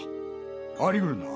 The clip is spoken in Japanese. あり得るな。